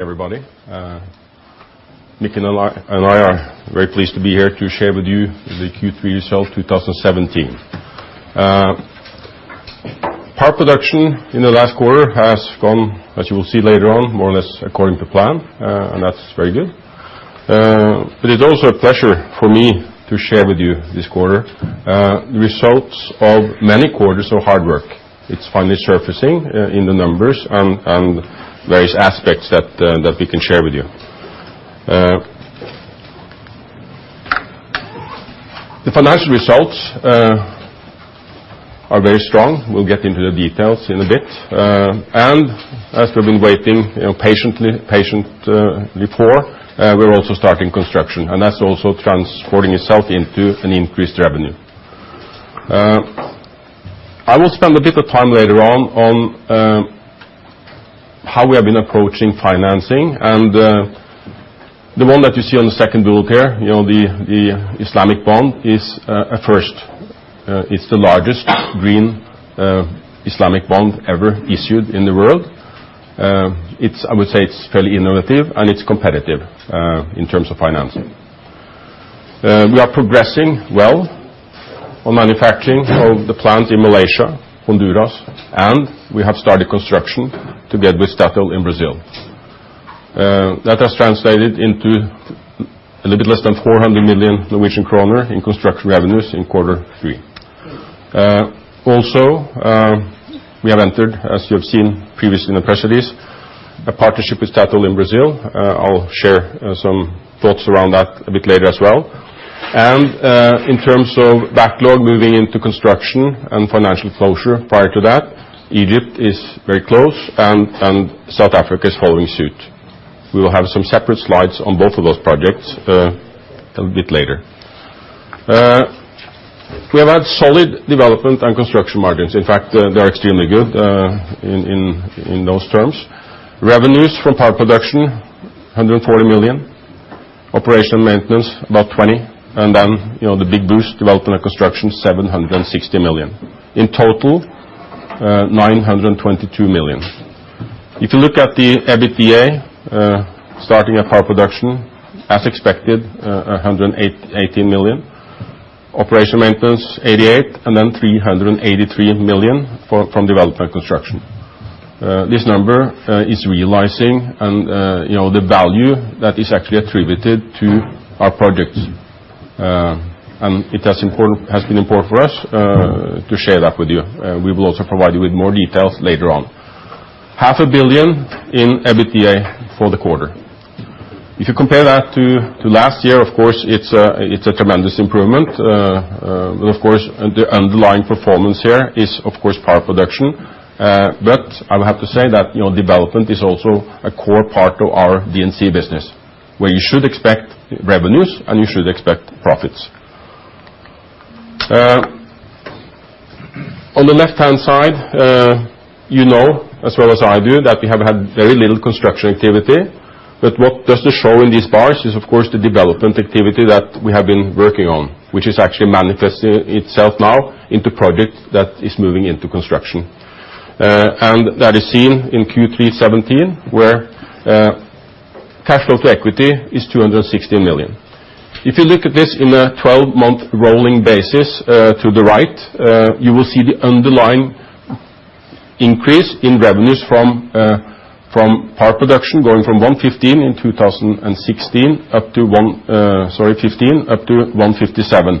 Everybody. Mikkel and I are very pleased to be here to share with you the Q3 results, 2017. Power production in the last quarter has gone, as you will see later on, more or less according to plan, and that's very good. It's also a pleasure for me to share with you this quarter, the results of many quarters of hard work. It's finally surfacing in the numbers and various aspects that we can share with you. The financial results are very strong. We'll get into the details in a bit. As we've been waiting patiently before, we're also starting construction, and that's also transporting itself into an increased revenue. I will spend a bit of time later on how we have been approaching financing. The one that you see on the second bullet here, the Islamic bond, is a first. It's the largest green Islamic bond ever issued in the world. I would say it's fairly innovative, and it's competitive in terms of financing. We are progressing well on manufacturing of the plant in Malaysia, Honduras. We have started construction together with Statoil in Brazil. That has translated into a little bit less than 400 million Norwegian kroner in construction revenues in quarter three. We have entered, as you have seen previously in the press release, a partnership with Statoil in Brazil. I'll share some thoughts around that a bit later as well. In terms of backlog moving into construction and financial closure prior to that, Egypt is very close and South Africa is following suit. We will have some separate slides on both of those projects a bit later. We have had solid development and construction margins. In fact, they are extremely good in those terms. Revenues from power production, 140 million. Operation maintenance, about 20 million. The big boost, development and construction, 760 million. In total, 922 million. If you look at the EBITDA, starting at power production, as expected, 118 million. Operation maintenance, 88 million. 383 million from development construction. This number is realizing the value that is actually attributed to our projects. It has been important for us to share that with you. We will also provide you with more details later on. Half a billion NOK in EBITDA for the quarter. If you compare that to last year, of course, it's a tremendous improvement. Of course, the underlying performance here is power production. I would have to say that development is also a core part of our D&C business, where you should expect revenues and you should expect profits. On the left-hand side, you know as well as I do that we have had very little construction activity. What doesn't show in these bars is, of course, the development activity that we have been working on, which is actually manifesting itself now into project that is moving into construction. That is seen in Q3 2017, where cash flow to equity is 260 million. If you look at this in a 12-month rolling basis to the right, you will see the underlying increase in revenues from power production going from 115 million in 2015 up to 157 million.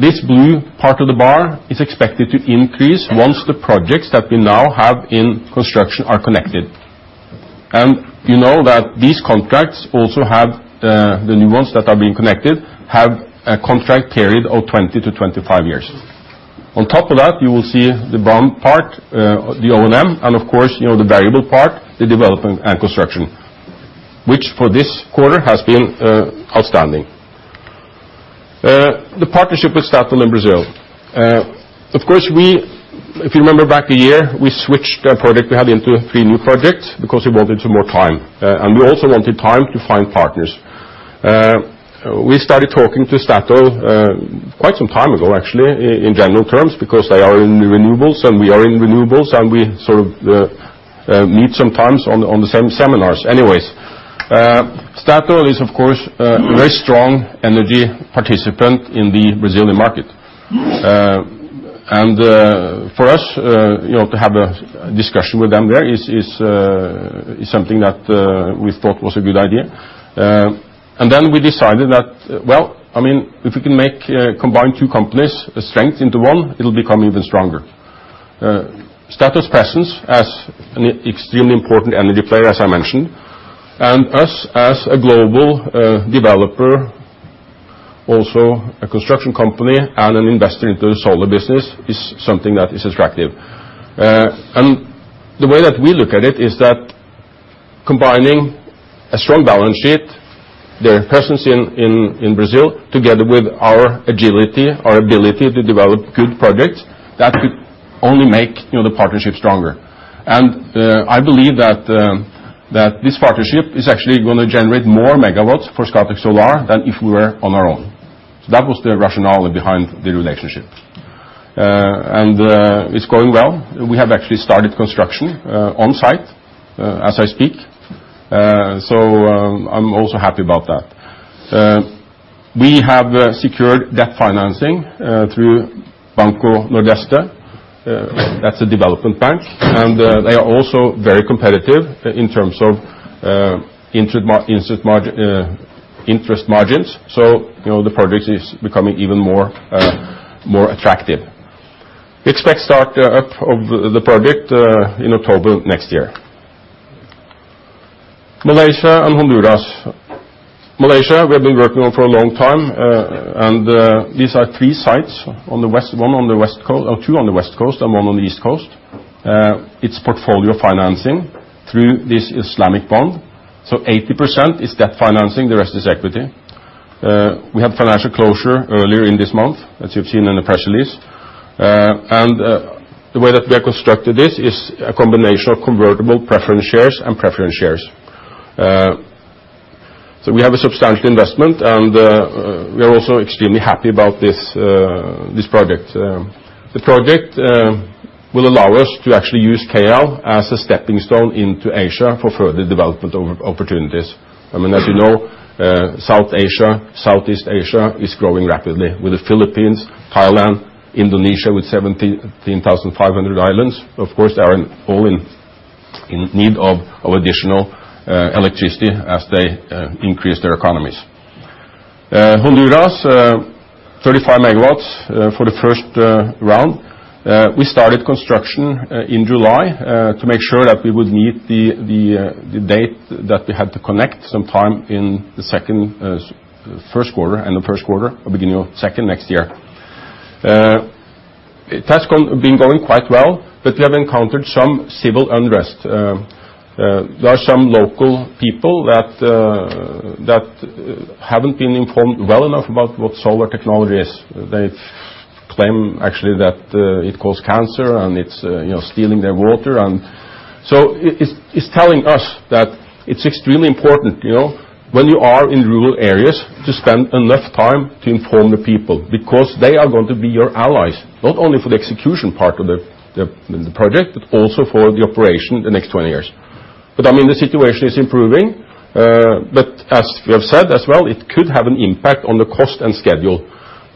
This blue part of the bar is expected to increase once the projects that we now have in construction are connected. You know that these contracts also have the new ones that are being connected, have a contract period of 20 to 25 years. On top of that, you will see the bottom part, the O&M, and of course, the variable part, the development and construction, which for this quarter has been outstanding. The partnership with Statoil in Brazil. Of course, if you remember back a year, we switched a project we had into three new projects because we wanted some more time. We also wanted time to find partners. We started talking to Statoil quite some time ago, actually, in general terms, because they are in renewables and we are in renewables, we sort of meet sometimes on the same seminars. Anyways, Statoil is, of course, a very strong energy participant in the Brazilian market. For us to have a discussion with them there is something that we thought was a good idea. Then we decided that, well, if we can combine two companies' strength into one, it'll become even stronger. Statoil's presence as an extremely important energy player, as I mentioned, and us as a global developer, also a construction company and an investor into the solar business, is something that is attractive. The way that we look at it is that combining a strong balance sheet, their presence in Brazil, together with our agility, our ability to develop good projects, that could only make the partnership stronger. I believe that this partnership is actually going to generate more megawatts for Scatec Solar than if we were on our own. That was the rationale behind the relationship. It's going well. We have actually started construction on-site as I speak, so I'm also happy about that. We have secured debt financing through Banco do Nordeste. That's a development bank, and they are also very competitive in terms of interest margins. The project is becoming even more attractive. We expect start up of the project in October next year. Malaysia and Honduras. Malaysia, we have been working on for a long time. These are three sites, two on the West Coast and one on the East Coast. It's portfolio financing through this Islamic bond. 80% is debt financing, the rest is equity. We had financial closure earlier this month, as you've seen in the press release. The way that we have constructed this is a combination of convertible preference shares and preference shares. We have a substantial investment, and we are also extremely happy about this project. The project will allow us to actually use KL as a stepping stone into Asia for further development opportunities. As you know, South Asia, Southeast Asia is growing rapidly with the Philippines, Thailand, Indonesia with 17,500 islands, of course, are all in need of additional electricity as they increase their economies. Honduras, 35 megawatts for the first round. We started construction in July to make sure that we would meet the date that we had to connect sometime in the first quarter and the first quarter or beginning of second next year. It has been going quite well, but we have encountered some civil unrest. There are some local people that haven't been informed well enough about what solar technology is. They claim actually that it cause cancer and it's stealing their water. It's telling us that it's extremely important when you are in rural areas to spend enough time to inform the people because they are going to be your allies, not only for the execution part of the project, but also for the operation the next 20 years. The situation is improving. As we have said as well, it could have an impact on the cost and schedule.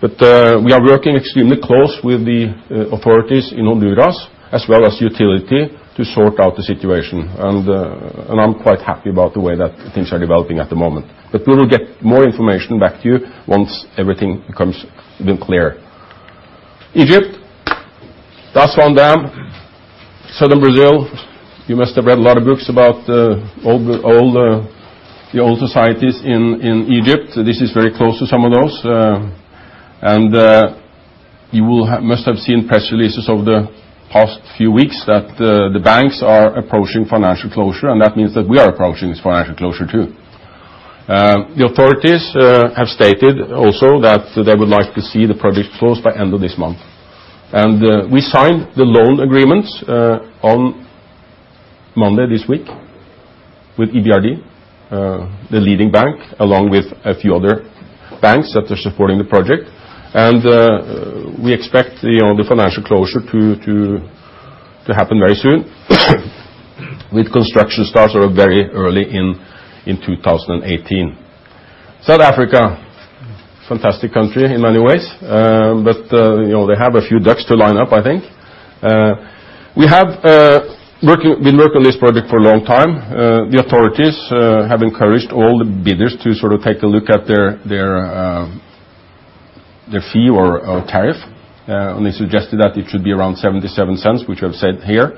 We are working extremely close with the authorities in Honduras as well as utility to sort out the situation. I'm quite happy about the way that things are developing at the moment. We will get more information back to you once everything becomes even clear. Egypt, Aswan Dam, southern Brazil. You must have read a lot of books about the old societies in Egypt. This is very close to some of those. You must have seen press releases over the past few weeks that the banks are approaching financial closure. That means that we are approaching this financial closure too. The authorities have stated also that they would like to see the project closed by end of this month. We signed the loan agreements on Monday this week with EBRD, the leading bank, along with a few other banks that are supporting the project. We expect the financial closure to happen very soon with construction start very early in 2018. South Africa, fantastic country in many ways. They have a few ducks to line up, I think. We've been working on this project for a long time. The authorities have encouraged all the bidders to sort of take a look at their fee or tariff, and they suggested that it should be around 0.77, which I've said here.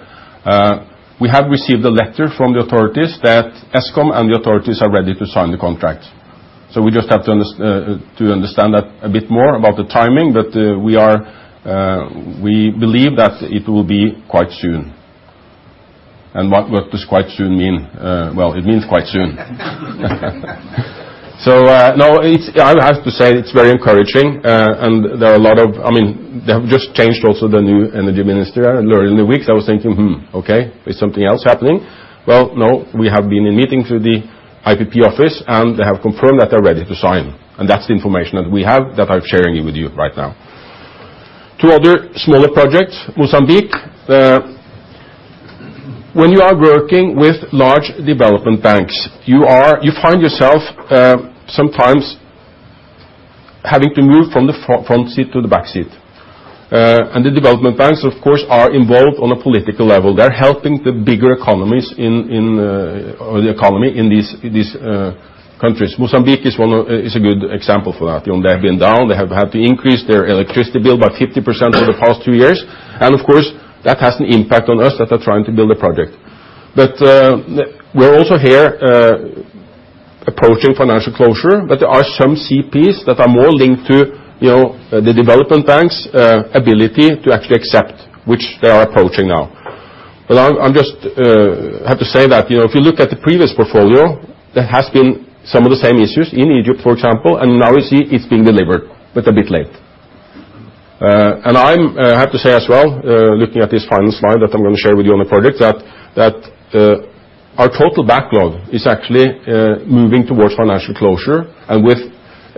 We have received a letter from the authorities that Eskom and the authorities are ready to sign the contract. We just have to understand that a bit more about the timing. We believe that it will be quite soon. What does quite soon mean? Well, it means quite soon. No, I have to say it's very encouraging. They have just changed also the new energy minister. Earlier in the week I was thinking, "Hmm, okay, is something else happening?" Well, no, we have been in meetings with the IPP Office, and they have confirmed that they're ready to sign. That's the information that we have that I'm sharing with you right now. Two other smaller projects, Mozambique. When you are working with large development banks, you find yourself sometimes having to move from the front seat to the back seat. The development banks, of course, are involved on a political level. They're helping the bigger economies in these countries. Mozambique is a good example for that. They have been down. They have had to increase their electricity bill by 50% over the past two years. Of course, that has an impact on us that are trying to build a project. We're also here approaching financial closure, there are some CPs that are more linked to the development banks' ability to actually accept which they are approaching now. I just have to say that if you look at the previous portfolio, there has been some of the same issues in Egypt, for example, and now we see it's being delivered, but a bit late. I have to say as well, looking at this final slide that I'm going to share with you on the project, that our total backlog is actually moving towards financial closure. With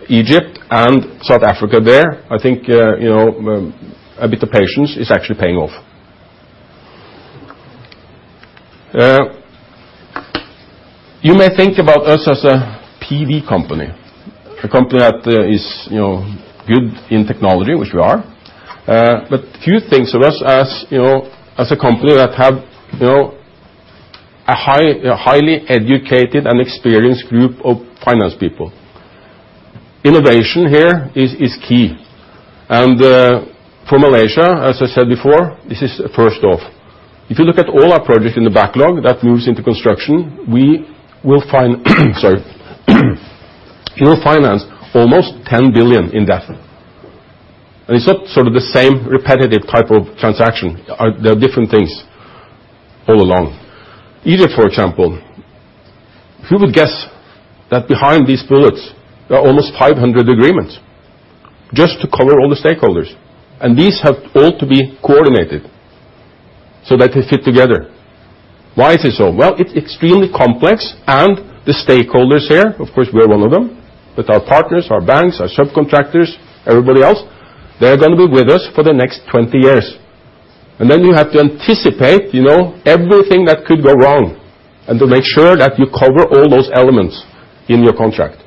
Egypt and South Africa there, I think, a bit of patience is actually paying off. You may think about us as a PV company. A company that is good in technology, which we are. But few think of us as a company that have a highly educated and experienced group of finance people. Innovation here is key. For Malaysia, as I said before, this is a first off. If you look at all our projects in the backlog that moves into construction, we will finance almost 10 billion in debt. It's not sort of the same repetitive type of transaction. There are different things all along. Egypt, for example, who would guess that behind these bullets, there are almost 500 agreements just to cover all the stakeholders, and these have all to be coordinated so that they fit together. Why is it so? Well, it's extremely complex, and the stakeholders here, of course, we are one of them, with our partners, our banks, our subcontractors, everybody else, they're going to be with us for the next 20 years. Then you have to anticipate everything that could go wrong and to make sure that you cover all those elements in your contract.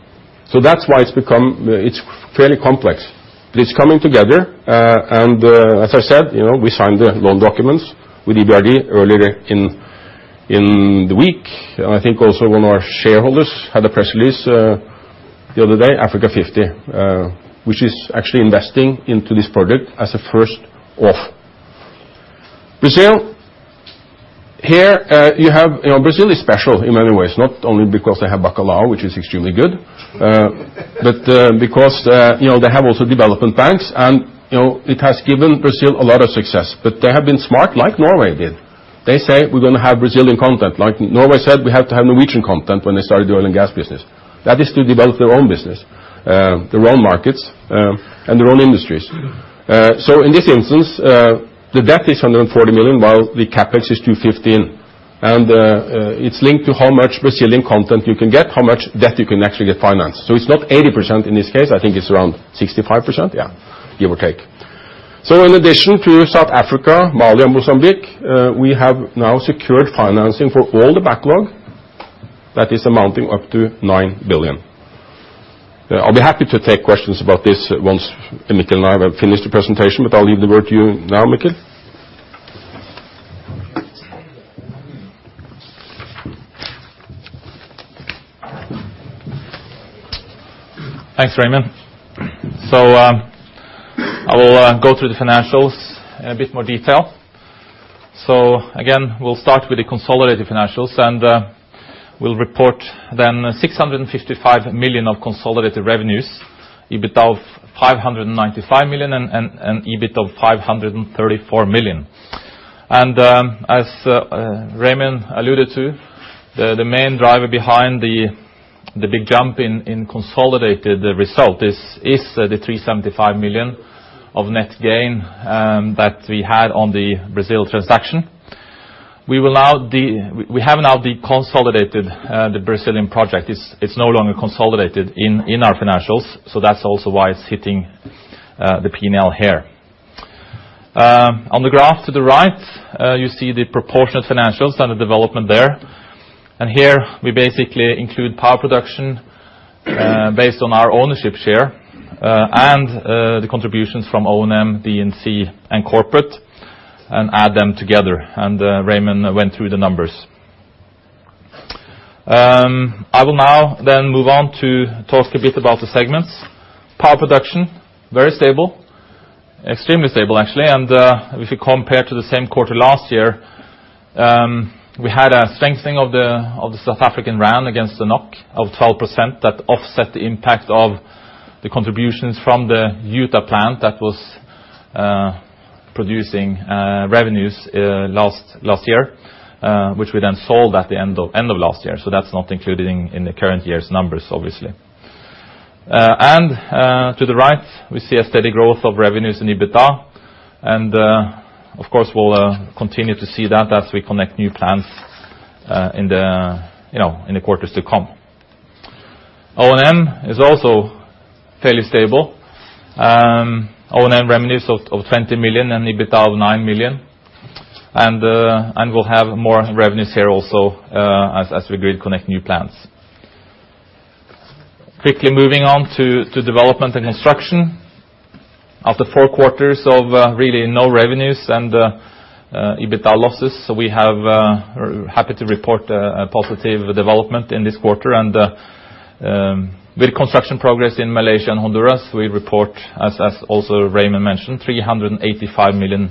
That's why it's fairly complex. It's coming together. As I said, we signed the loan documents with EBRD earlier in the week. I think also one of our shareholders had a press release the other day, Africa50, which is actually investing into this project as a first off. Brazil. Brazil is special in many ways, not only because they have bacalhau, which is extremely good, but because they have also development banks, and it has given Brazil a lot of success. They have been smart like Norway did. They say, "We're going to have Brazilian content," like Norway said, "We have to have Norwegian content," when they started the oil and gas business. That is to develop their own business, their own markets, and their own industries. In this instance, the debt is 140 million, while the CapEx is 215 million. It's linked to how much Brazilian content you can get, how much debt you can actually get financed. It's not 80% in this case. I think it's around 65%. Yeah. Give or take. In addition to South Africa, Mali, and Mozambique, we have now secured financing for all the backlog that is amounting up to 9 billion. I'll be happy to take questions about this once Mikkel and I have finished the presentation, but I'll leave the word to you now, Mikkel. Thanks, Raymond. I will go through the financials in a bit more detail. Again, we will start with the consolidated financials, and we will report then 655 million of consolidated revenues, EBITDA of 595 million, and an EBIT of 534 million. As Raymond alluded to, the main driver behind the big jump in consolidated result is the 375 million of net gain that we had on the Brazil transaction. We have now deconsolidated the Brazilian project. It is no longer consolidated in our financials, that is also why it is hitting the P&L here. On the graph to the right, you see the proportionate financials and the development there. Here we basically include power production based on our ownership share and the contributions from O&M, D&C, and Corporate and add them together. Raymond went through the numbers. I will now then move on to talk a bit about the segments. Power production, very stable. Extremely stable, actually. If you compare to the same quarter last year, we had a strengthening of the South African rand against the NOK of 12% that offset the impact of the contributions from the Utah plant that was producing revenues last year, which we then sold at the end of last year. That is not included in the current year's numbers, obviously. To the right, we see a steady growth of revenues in EBITDA. Of course, we will continue to see that as we connect new plants in the quarters to come. O&M is also fairly stable. O&M revenues of 20 million and an EBITDA of 9 million. We will have more revenues here also, as we connect new plants. Quickly moving on to development and construction. After four quarters of really no revenues and EBITDA losses, we are happy to report a positive development in this quarter. With construction progress in Malaysia and Honduras, we report, as also Raymond mentioned, 385 million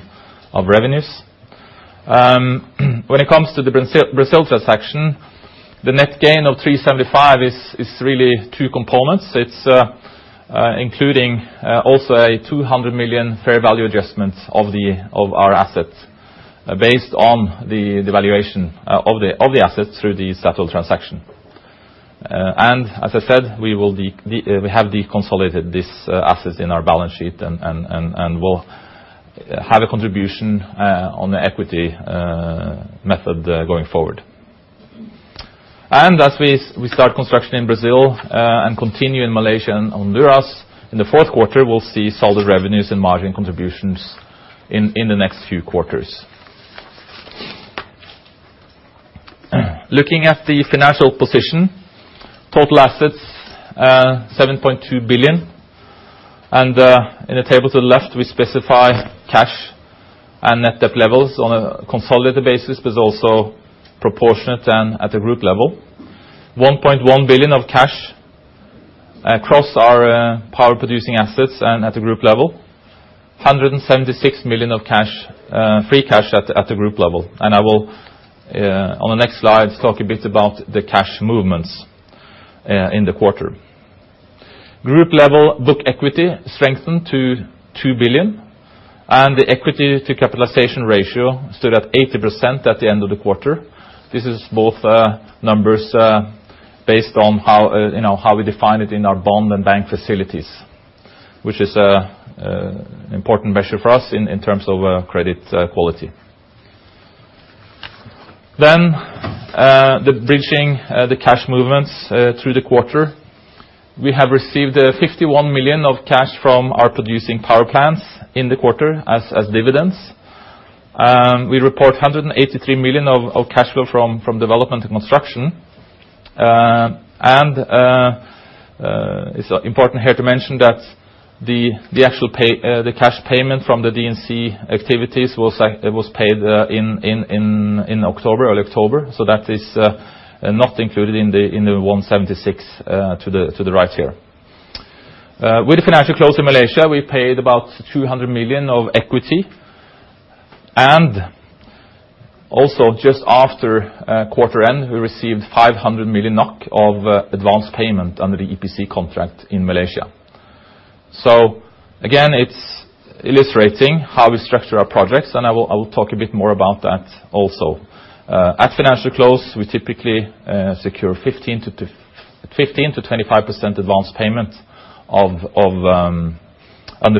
of revenues. When it comes to the Brazil transaction, the net gain of 375 is really two components. It is including also a 200 million fair value adjustment of our assets based on the valuation of the assets through the settled transaction. As I said, we have deconsolidated these assets in our balance sheet, and will have a contribution on the equity method going forward. As we start construction in Brazil and continue in Malaysia and on Honduras in the fourth quarter, we will see solid revenues and margin contributions in the next few quarters. Looking at the financial position, total assets are 7.2 billion. In the table to the left, we specify cash and net debt levels on a consolidated basis, but it is also proportionate and at the group level. 1.1 billion of cash across our power-producing assets and at the group level. 176 million of free cash at the group level. I will, on the next slide, talk a bit about the cash movements in the quarter. Group-level book equity strengthened to 2 billion, and the equity to capitalization ratio stood at 80% at the end of the quarter. This is both numbers based on how we define it in our bond and bank facilities, which is an important measure for us in terms of credit quality. Bridging the cash movements through the quarter. We have received 51 million of cash from our producing power plants in the quarter as dividends. We report 183 million of cash flow from development and construction. It's important here to mention that the actual cash payment from the D&C activities was paid in early October. That is not included in the 176 to the right here. With the financial close in Malaysia, we paid about 200 million of equity. Also just after quarter end, we received 500 million NOK of advanced payment under the EPC contract in Malaysia. Again, it's illustrating how we structure our projects, and I will talk a bit more about that also. At financial close, we typically secure 15%-25% advanced payment under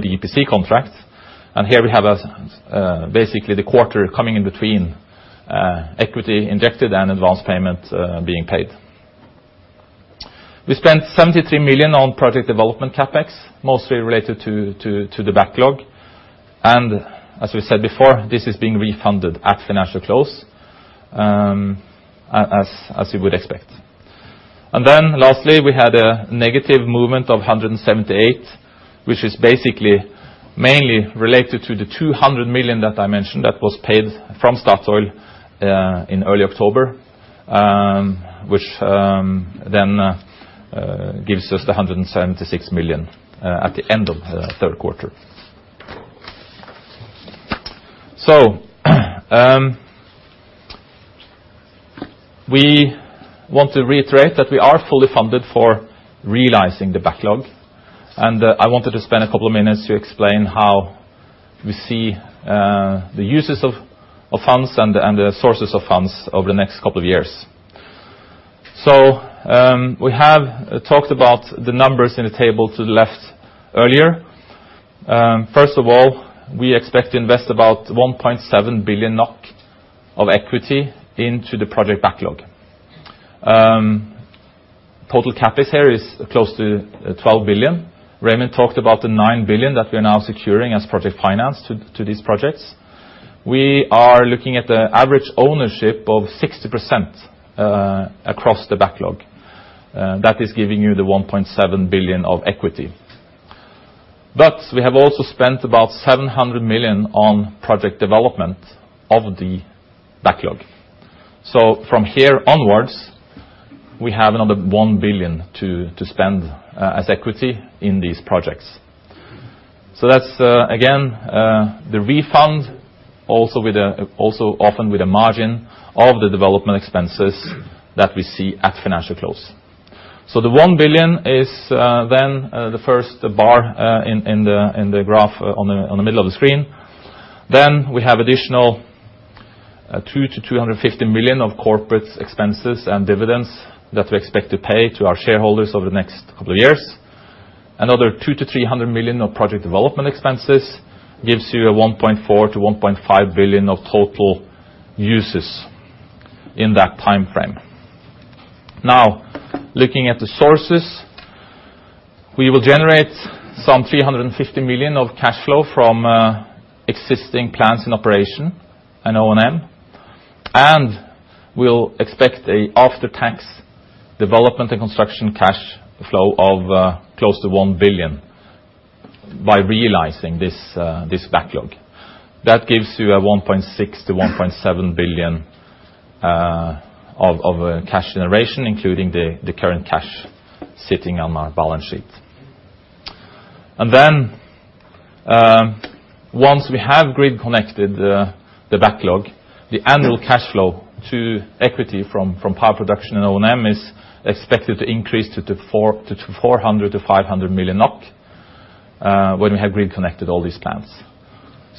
the EPC contract. Here we have basically the quarter coming in between equity injected and advanced payment being paid. We spent 73 million on project development CapEx, mostly related to the backlog. As we said before, this is being refunded at financial close, as you would expect. Lastly, we had a negative movement of 178 million, which is basically mainly related to the 200 million that I mentioned that was paid from Statoil in early October, which then gives us the 176 million at the end of the third quarter. We want to reiterate that we are fully funded for realizing the backlog. I wanted to spend a couple of minutes to explain how we see the uses of funds and the sources of funds over the next couple of years. We have talked about the numbers in the table to the left earlier. First of all, we expect to invest about 1.7 billion NOK of equity into the project backlog. Total CapEx here is close to 12 billion. Raymond talked about the 9 billion that we are now securing as project finance to these projects. We are looking at the average ownership of 60% across the backlog. That is giving you the 1.7 billion of equity. We have also spent about 700 million on project development of the backlog. From here onwards, we have another 1 billion to spend as equity in these projects. That's again, the refund also often with a margin of the development expenses that we see at financial close. The 1 billion is then the first bar in the graph on the middle of the screen. We have additional 200 million-250 million of corporate expenses and dividends that we expect to pay to our shareholders over the next couple of years. Another 200 million-300 million of project development expenses gives you a 1.4 billion-1.5 billion of total uses in that timeframe. Looking at the sources, we will generate some 350 million of cash flow from existing plants in operation and O&M, and we'll expect an after-tax development and construction cash flow of close to 1 billion by realizing this backlog. That gives you a 1.6 billion-1.7 billion of cash generation, including the current cash sitting on our balance sheet. Once we have grid connected the backlog, the annual cash flow to equity from power production and O&M is expected to increase to 400 million-500 million NOK when we have grid connected all these plants.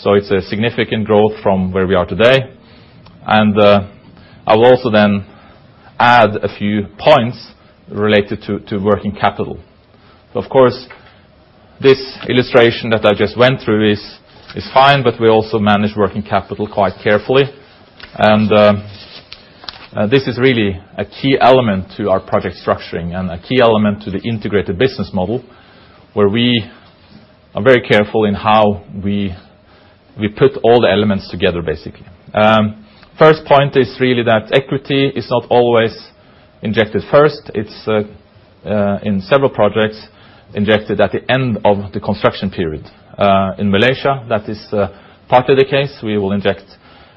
It's a significant growth from where we are today. I will also then add a few points related to working capital. This illustration that I just went through is fine, we also manage working capital quite carefully. This is really a key element to our project structuring and a key element to the integrated business model, where we are very careful in how we put all the elements together, basically. First point is really that equity is not always injected first. It's, in several projects, injected at the end of the construction period. In Malaysia, that is partly the case. We will inject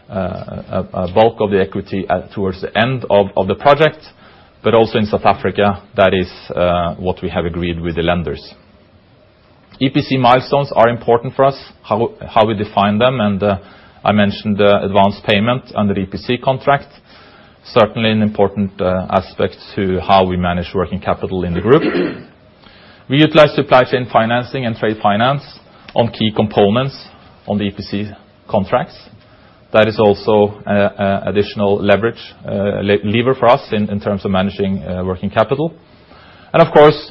a bulk of the equity towards the end of the project. Also in South Africa, that is what we have agreed with the lenders. EPC milestones are important for us, how we define them, and I mentioned advanced payment under the EPC contract. Certainly an important aspect to how we manage working capital in the group. We utilize supply chain financing and trade finance on key components on the EPC contracts. That is also additional lever for us in terms of managing working capital. Of course,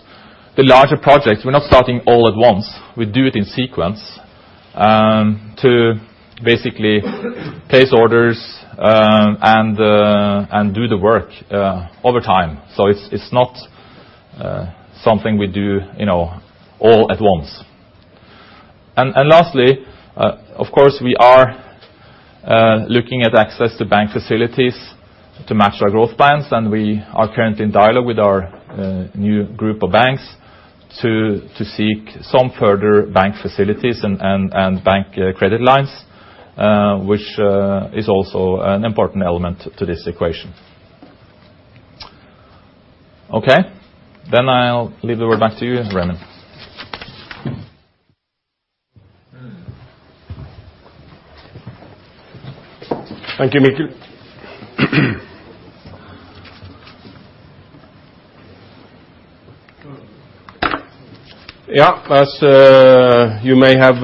the larger projects, we're not starting all at once. We do it in sequence to basically place orders and do the work over time. It's not something we do all at once. Lastly, of course, we are looking at access to bank facilities to match our growth plans, and we are currently in dialogue with our new group of banks to seek some further bank facilities and bank credit lines, which is also an important element to this equation. I'll leave the word back to you, Raymond. Thank you, Mikkel. As you may have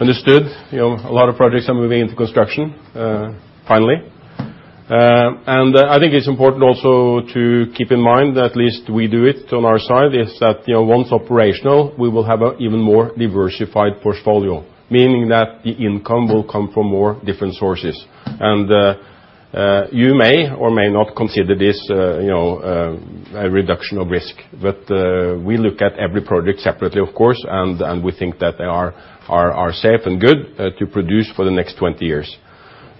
understood, a lot of projects are moving into construction finally. I think it's important also to keep in mind that at least we do it on our side, is that once operational, we will have an even more diversified portfolio. Meaning that the income will come from more different sources. You may or may not consider this a reduction of risk. We look at every project separately, of course, and we think that they are safe and good to produce for the next 20 years.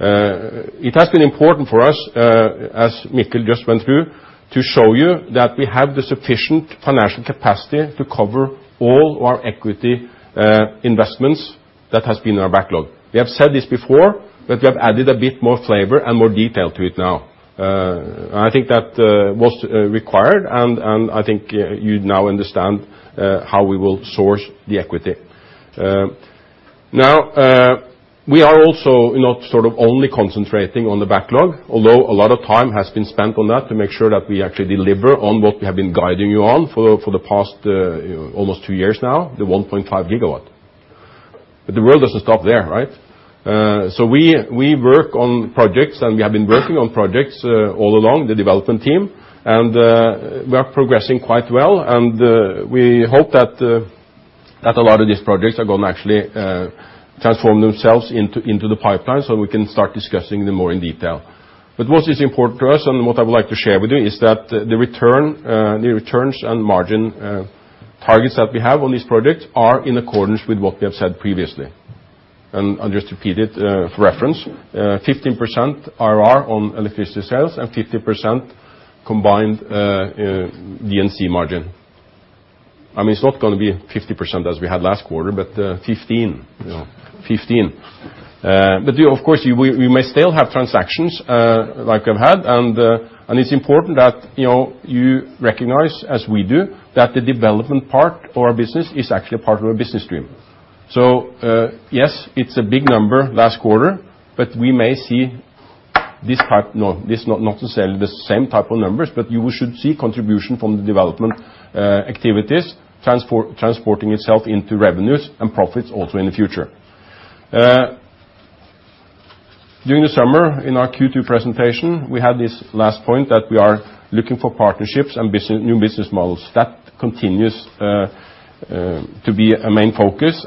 It has been important for us, as Mikkel just went through, to show you that we have the sufficient financial capacity to cover all our equity investments that has been in our backlog. We have said this before, we have added a bit more flavor and more detail to it now. I think that was required, and I think you now understand how we will source the equity. Now, we are also not sort of only concentrating on the backlog, although a lot of time has been spent on that to make sure that we actually deliver on what we have been guiding you on for the past almost two years now, the 1.5 gigawatt. The world doesn't stop there, right? We work on projects, and we have been working on projects all along, the development team. We are progressing quite well. We hope that a lot of these projects are going to actually transform themselves into the pipeline so we can start discussing them more in detail. What is important to us and what I would like to share with you is that the returns and margin targets that we have on these projects are in accordance with what we have said previously. I'll just repeat it for reference, 15% IRR on electricity sales and 15% combined D&C margin. It's not going to be 50% as we had last quarter, but 15%. Of course, we may still have transactions like we've had. It's important that you recognize, as we do, that the development part of our business is actually a part of our business stream. Yes, it's a big number last quarter, but we may see this type. No, not to sell the same type of numbers, but you should see contribution from the development activities transporting itself into revenues and profits also in the future. During the summer in our Q2 presentation, we had this last point that we are looking for partnerships and new business models. That continues to be a main focus.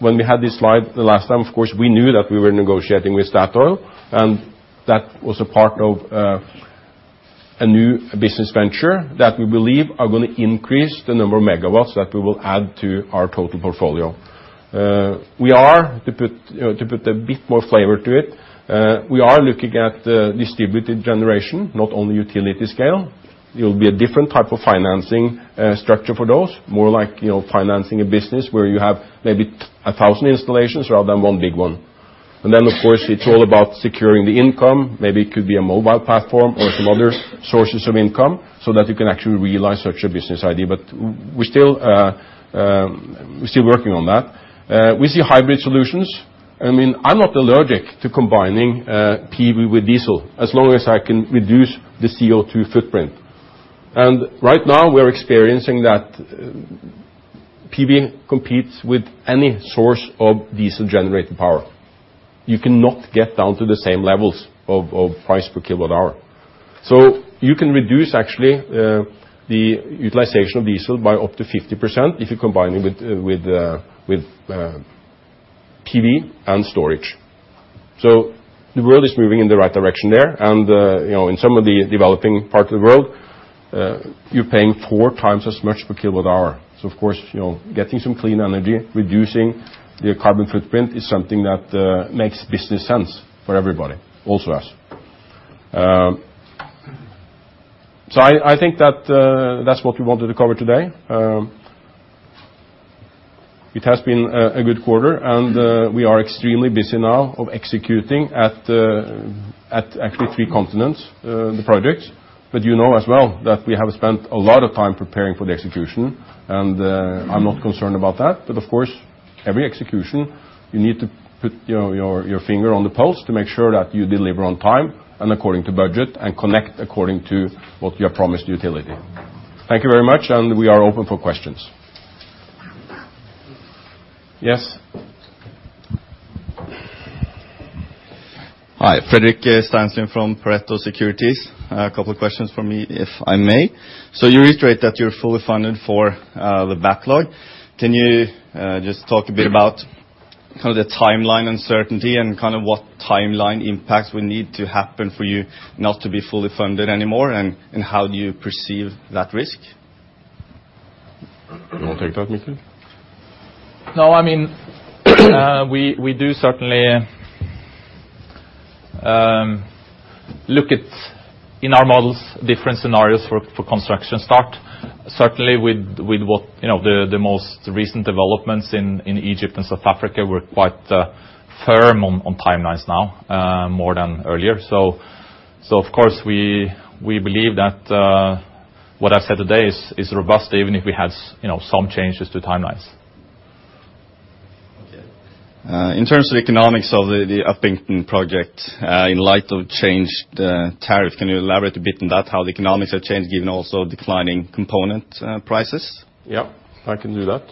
When we had this slide the last time, of course, we knew that we were negotiating with Statoil, and that was a part of a new business venture that we believe are going to increase the number of megawatts that we will add to our total portfolio. To put a bit more flavor to it, we are looking at distributed generation, not only utility scale. It will be a different type of financing structure for those. More like financing a business where you have maybe 1,000 installations rather than one big one. Then, of course, it's all about securing the income. Maybe it could be a mobile platform or some other sources of income so that you can actually realize such a business idea. We're still working on that. We see hybrid solutions. I'm not allergic to combining PV with diesel as long as I can reduce the CO2 footprint. Right now we're experiencing that PV competes with any source of diesel-generated power. You cannot get down to the same levels of price per kilowatt-hour. You can reduce actually, the utilization of diesel by up to 50% if you combine it with PV and storage. The world is moving in the right direction there. In some of the developing parts of the world, you're paying four times as much per kilowatt-hour. Of course, getting some clean energy, reducing the carbon footprint is something that makes business sense for everybody, also us. I think that's what we wanted to cover today. It has been a good quarter, and we are extremely busy now of executing at actually three continents, the projects. You know as well that we have spent a lot of time preparing for the execution, and I'm not concerned about that. Of course, every execution you need to put your finger on the pulse to make sure that you deliver on time and according to budget and connect according to what you have promised utility. Thank you very much, and we are open for questions. Yes. Hi. Fredrik Steinslien from Pareto Securities. A couple of questions from me, if I may. You reiterate that you are fully funded for the backlog. Can you just talk a bit about the timeline uncertainty and what timeline impacts will need to happen for you not to be fully funded anymore? How do you perceive that risk? You want to take that, Mikkel? No. We do certainly look at, in our models, different scenarios for construction start. Certainly, with the most recent developments in Egypt and South Africa, we are quite firm on timelines now, more than earlier. Of course, we believe that what I have said today is robust even if we had some changes to timelines. Okay. In terms of economics of the Upington project, in light of changed tariff, can you elaborate a bit on that, how the economics have changed given also declining component prices? Yep. I can do that.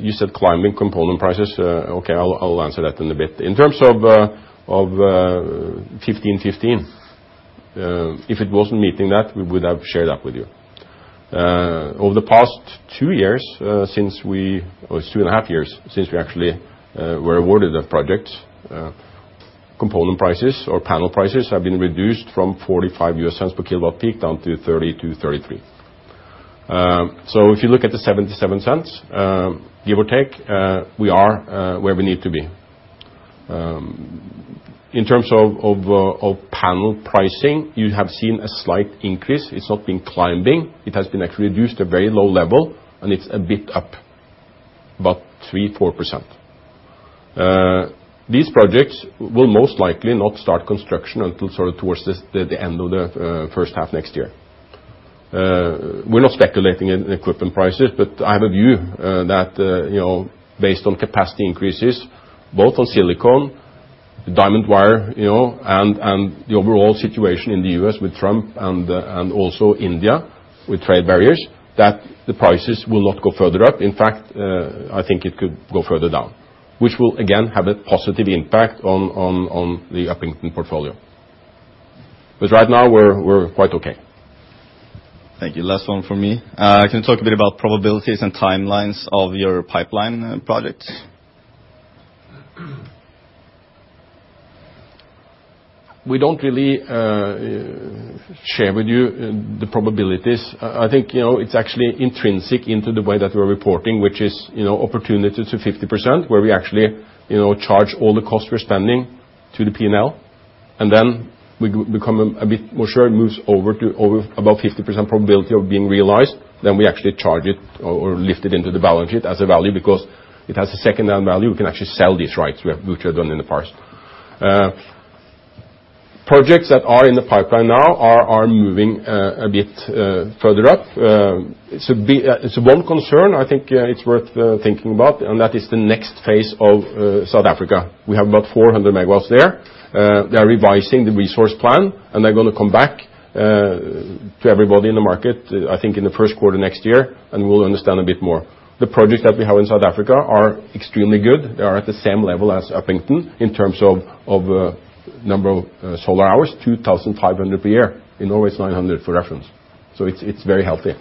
You said climbing component prices. Okay, I'll answer that in a bit. In terms of 1515, if it wasn't meeting that, we would have shared that with you. Over the past two years, or two and a half years, since we actually were awarded the project, component prices or panel prices have been reduced from $0.45 per kilowatt peak down to $0.32, $0.33. So if you look at the $0.77, give or take, we are where we need to be. In terms of panel pricing, you have seen a slight increase. It's not been climbing. It has been actually reduced a very low level, and it's a bit up, about 3%-4%. These projects will most likely not start construction until towards the end of the first half next year. We're not speculating in equipment prices, but I have a view that based on capacity increases, both on silicon, diamond wire, and the overall situation in the U.S. with Trump and also India with trade barriers, that the prices will not go further up. In fact, I think it could go further down. Which will again, have a positive impact on the Upington portfolio. Right now we're quite okay. Thank you. Last one from me. Can you talk a bit about probabilities and timelines of your pipeline projects? We don't really share with you the probabilities. I think it's actually intrinsic into the way that we're reporting, which is opportunity to 50%, where we actually charge all the costs we're spending to the P&L. We become a bit more sure it moves over to above 50% probability of being realized. We actually charge it or lift it into the balance sheet as a value because it has a second value. We can actually sell these rights, which we have done in the past. Projects that are in the pipeline now are moving a bit further up. It's one concern I think it's worth thinking about, and that is the next phase of South Africa. We have about 400 MW there. They are revising the resource plan, they're going to come back to everybody in the market, I think in the first quarter next year, and we'll understand a bit more. The projects that we have in South Africa are extremely good. They are at the same level as Upington in terms of number of solar hours, 2,500 per year. In Norway it's 900 for reference. It's very healthy.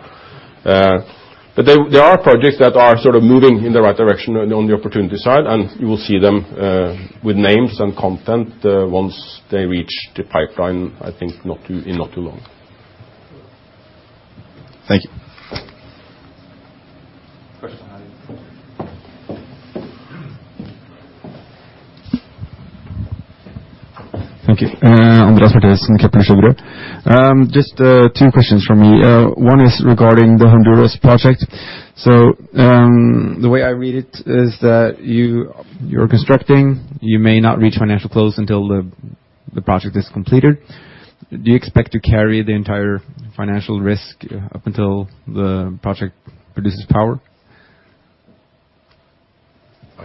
There are projects that are sort of moving in the right direction on the opportunity side, and you will see them with names and content once they reach the pipeline, I think in not too long. Thank you. Thank you. Andreas Hårstad, Kepler Cheuvreux. Just two questions from me. One is regarding the Honduras project. The way I read it is that you're constructing, you may not reach financial close until the project is completed. Do you expect to carry the entire financial risk up until the project produces power?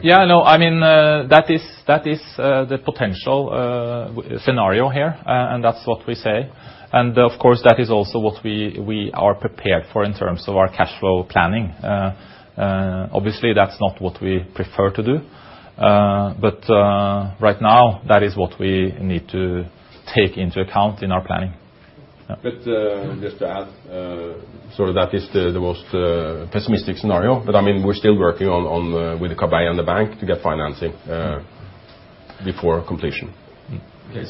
Yeah, no. That is the potential scenario here, and that's what we say. Of course, that is also what we are prepared for in terms of our cash flow planning. Obviously, that's not what we prefer to do. Right now, that is what we need to take into account in our planning. Yeah. just to add, that is the most pessimistic scenario. We're still working with CABEI and the bank to get financing before completion. Okay.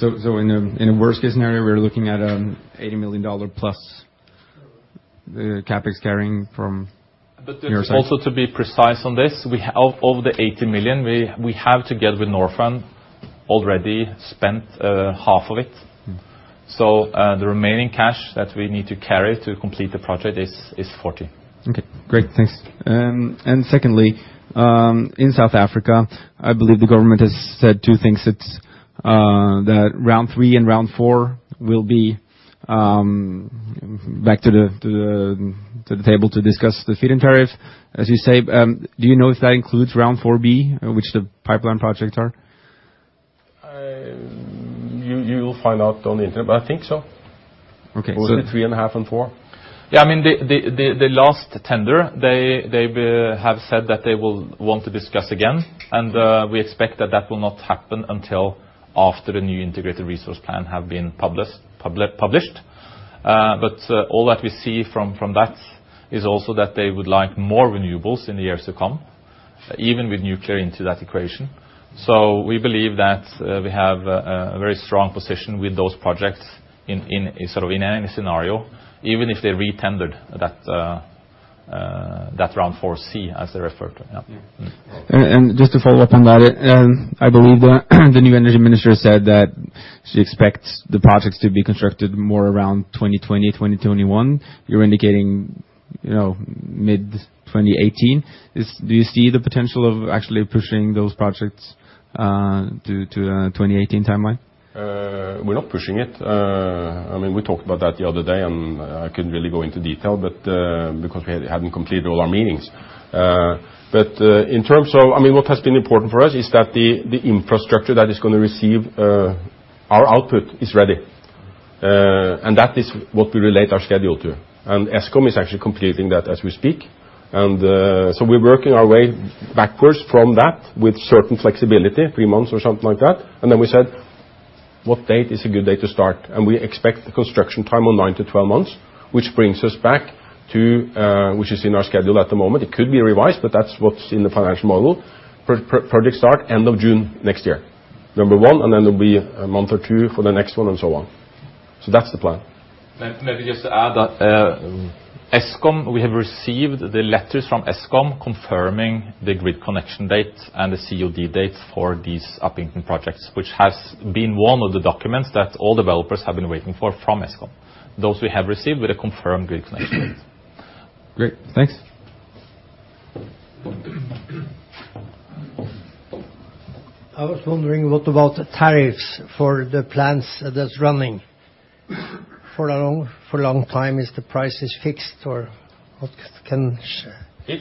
In a worst-case scenario, we're looking at an NOK 80 million-plus CapEx carrying from your side. Also to be precise on this, of the 80 million, we have, together with Norfund, already spent half of it. The remaining cash that we need to carry to complete the project is 40 million. Okay. Great. Thanks. Secondly, in South Africa, I believe the government has said two things. That round three and round four will be back to the table to discuss the feed-in tariff, as you say. Do you know if that includes round 4B, which the pipeline projects are? You will find out on the internet, I think so. Okay. Both the three and a half and four. The last tender, they have said that they will want to discuss again. We expect that that will not happen until after the new Integrated Resource Plan have been published. All that we see from that is also that they would like more renewables in the years to come, even with nuclear into that equation. We believe that we have a very strong position with those projects in any scenario, even if they re-tendered that round 4C, as they refer to. Just to follow up on that. I believe the new energy minister said that she expects the projects to be constructed more around 2020, 2021. You're indicating mid-2018. Do you see the potential of actually pushing those projects to a 2018 timeline? We're not pushing it. We talked about that the other day, and I couldn't really go into detail, because we hadn't completed all our meetings. What has been important for us is that the infrastructure that is going to receive our output is ready. That is what we relate our schedule to. Eskom is actually completing that as we speak. We're working our way backwards from that with certain flexibility, 3 months or something like that. We said, "What date is a good date to start?" We expect the construction time of 9 to 12 months, which brings us back to, which is in our schedule at the moment. It could be revised, but that's what's in the financial model. Project start, end of June next year. Number 1, there'll be a month or two for the next one, and so on. That's the plan. Just to add that, we have received the letters from Eskom confirming the grid connection date and the COD date for these Upington projects, which has been one of the documents that all developers have been waiting for from Eskom. Those we have received with a confirmed grid connection. Great. Thanks. I was wondering, what about tariffs for the plants that's running? For long time, is the prices fixed or what can In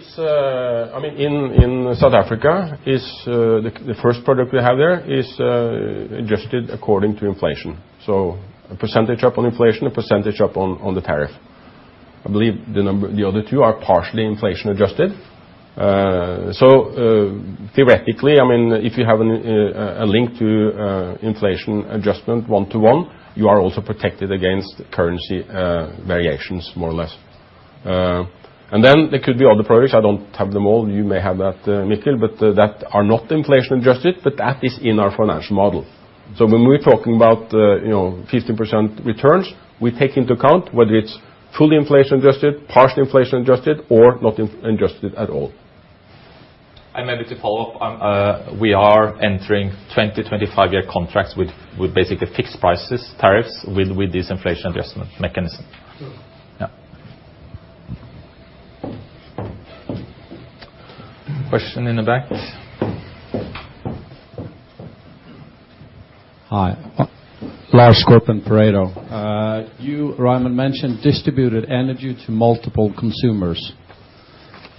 South Africa, the first product we have there is adjusted according to inflation. A percentage up on inflation, a percentage up on the tariff. I believe the other two are partially inflation-adjusted. Theoretically, if you have a link to inflation adjustment one to one, you are also protected against currency variations, more or less. Then there could be other projects, I don't have them all, you may have that, Mikkel, but that are not inflation-adjusted, but that is in our financial model. When we're talking about 15% returns, we take into account whether it's fully inflation-adjusted, partially inflation-adjusted, or not adjusted at all. Maybe to follow up, we are entering 20-25-year contracts with basically fixed prices, tariffs, with this inflation adjustment mechanism. Good. Yeah. Question in the back. Hi. Lars Westby, Pareto. You, Raymond, mentioned distributed energy to multiple consumers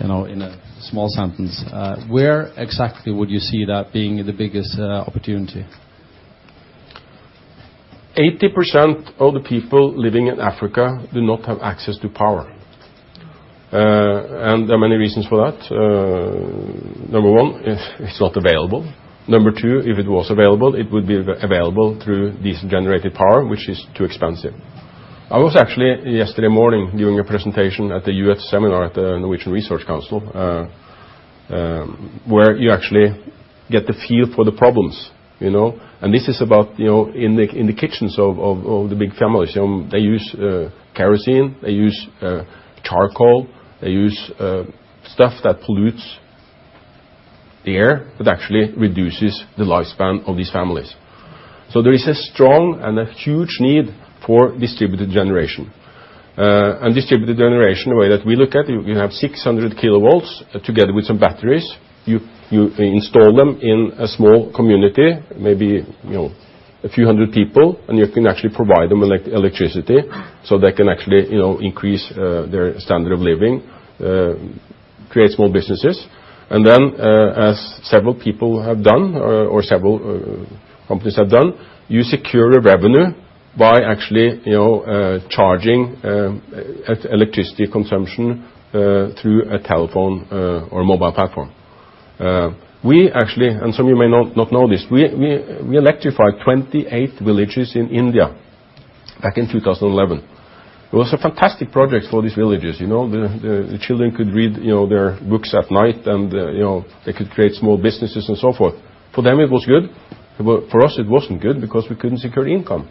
in a small sentence. Where exactly would you see that being the biggest opportunity? 80% of the people living in Africa do not have access to power. There are many reasons for that. Number 1, it's not available. Number 2, if it was available, it would be available through this generated power, which is too expensive. I was actually yesterday morning doing a presentation at the U.S. seminar at The Research Council of Norway, where you actually get the feel for the problems. This is about in the kitchens of the big families. They use kerosene, they use charcoal, they use stuff that pollutes the air, that actually reduces the lifespan of these families. There is a strong and a huge need for distributed generation. Distributed generation, the way that we look at it, you have 600 kilowatts together with some batteries. You install them in a small community, maybe a few hundred people, and you can actually provide them electricity so they can actually increase their standard of living, create small businesses. Then, as several people have done, or several companies have done, you secure a revenue by actually charging electricity consumption through a telephone or a mobile platform. We actually, and some of you may not know this, we electrified 28 villages in India back in 2011. It was a fantastic project for these villages. The children could read their books at night and they could create small businesses and so forth. For them, it was good. For us, it wasn't good because we couldn't secure income.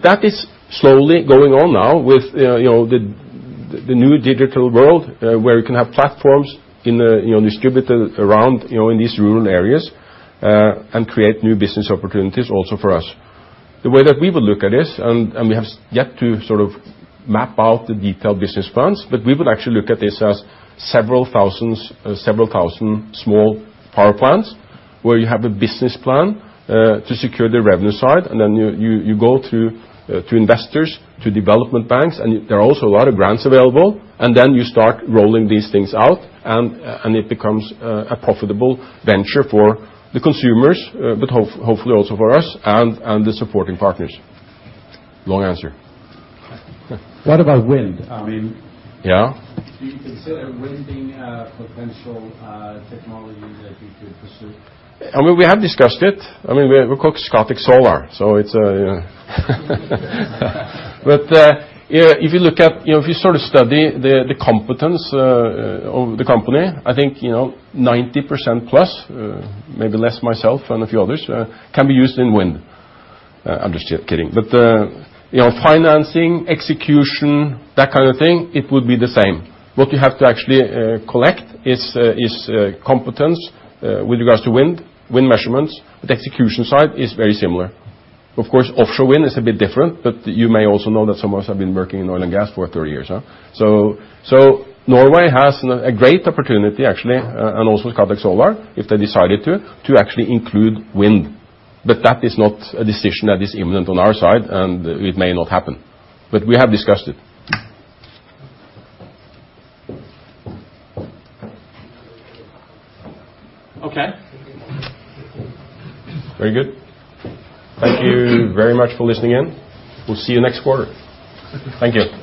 That is slowly going on now with the new digital world, where you can have platforms distributed around in these rural areas, and create new business opportunities also for us. The way that we would look at this, we have yet to map out the detailed business plans, we would actually look at this as several thousand small power plants, where you have a business plan to secure the revenue side, then you go to investors, to development banks, there are also a lot of grants available, then you start rolling these things out and it becomes a profitable venture for the consumers, hopefully also for us and the supporting partners. Long answer. What about wind? Yeah. Do you consider wind being a potential technology that you could pursue? We have discussed it. We're called Scatec Solar. If you look at, if you study the competence of the company, I think, 90% plus, maybe less myself and a few others, can be used in wind. I'm just kidding. Financing, execution, that kind of thing, it would be the same. What you have to actually collect is competence with regards to wind measurements. The execution side is very similar. Of course, offshore wind is a bit different, but you may also know that some of us have been working in oil and gas for 30 years, huh? Norway has a great opportunity, actually, and also Scatec Solar, if they decided to actually include wind. That is not a decision that is imminent on our side, and it may not happen. We have discussed it. Okay. Very good. Thank you very much for listening in. We'll see you next quarter. Thank you.